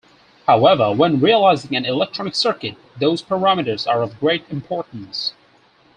However, when realizing an electronic circuit, those parameters are of great importance.